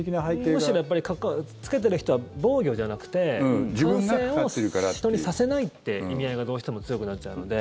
むしろ、やっぱり着けてる人は防御じゃなくて感染を人にさせないって意味合いがどうしても強くなっちゃうので。